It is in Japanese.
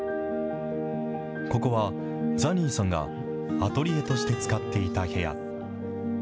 ここは、ザニーさんがアトリエとして使っていた部屋。